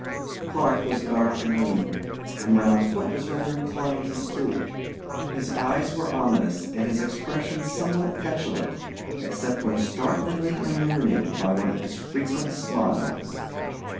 Clark was dark and lean, and when on foot was rather inclined to stoop. His eyes were ominous and his expression somewhat petulant except when startlingly illuminated by one of his frequent smiles.